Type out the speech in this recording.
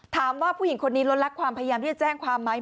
ถามว่าผู้หญิงคนนี้ลดลักความพยายามที่จะแจ้งความไหม